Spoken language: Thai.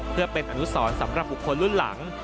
เพื่อเป็นอนุสรสำหรับบุคคลรุ่นหลัง